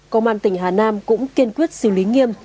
công an tỉnh hà nam cũng kiên quyết xử lý nghiêm